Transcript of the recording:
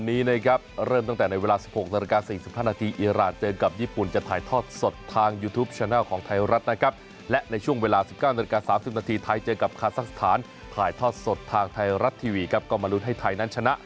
ถ้าเราไม่ได้กลับสู้กับคาซากิสตานพวกเขาเป็น๑๓คนในยุโรป